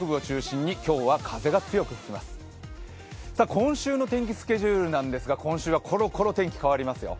今週の天気スケジュールですが、今週はころころ天気が変わりますよ。